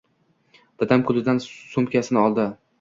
Dadam koʻlidan soʻmkasini oldi.